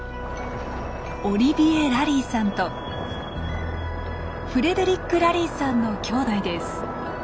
オリビエ・ラリーさんとフレデリック・ラリーさんの兄弟です。